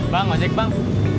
bang ajak bang